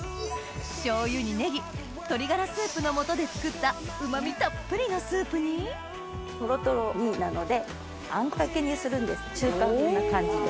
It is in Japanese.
醤油にネギ鶏ガラスープのもとで作ったうま味たっぷりのスープにトロトロ煮なのであんかけにするんです中華風な感じで。